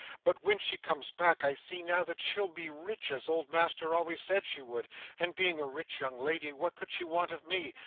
But when she comes back, I see now that she'll be rich as old master always said she would, and being a rich young lady, what could she want of me?